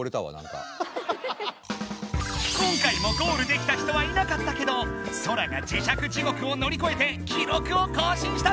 今回もゴールできた人はいなかったけどソラが磁石地獄をのりこえて記録を更新したぞ！